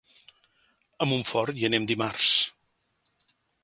A Montfort hi anem dimarts.